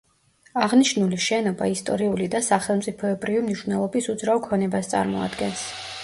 აღნიშნული შენობა ისტორიული და სახელმწიფოებრივი მნიშვნელობის უძრავ ქონებას წარმოადგენს.